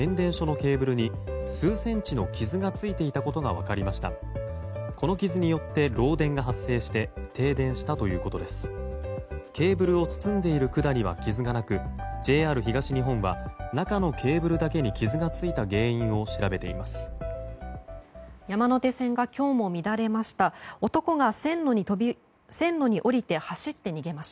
ケーブルを包んでいる管には傷がなく、ＪＲ東日本は中のケーブルだけに傷が付いた原因を調べています。